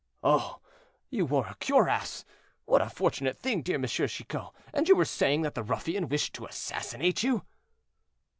"Oh! you wore a cuirass! What a fortunate thing, dear Monsieur Chicot; and you were saying that the ruffian wished to assassinate you."